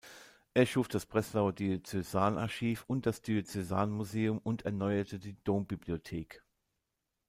Er schuf das Breslauer Diözesanarchiv und das Diözesanmuseum und erneuerte die Dombibliothek.